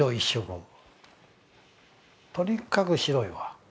とにかく白いわ。